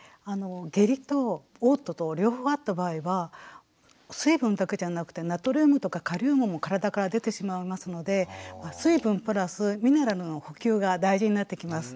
下痢とおう吐と両方あった場合は水分だけじゃなくてナトリウムとかカリウムも体から出てしまいますので水分プラスミネラルの補給が大事になってきます。